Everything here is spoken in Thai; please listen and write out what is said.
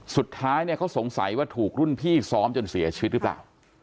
สุดท้ายเนี่ยเขาสงสัยว่าถูกรุ่นพี่ซ้อมจนเสียชีวิตหรือเปล่า